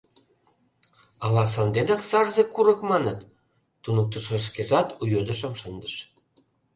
Ала санденак Сарзе курык маныт? — туныктышо шкежат у йодышым шындыш.